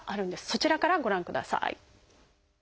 そちらからご覧ください。